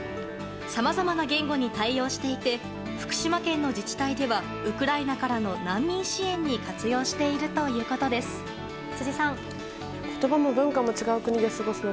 さまざまな言語に対応していて福島県の自治体ではウクライナからの難民支援に活用しているということです。